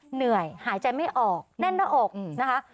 เหนื่อยหายใจไม่ออกแน่นหน้าอกนะคะ